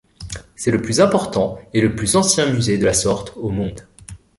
C'est le plus important et le plus ancien musée de la sorte au Monde.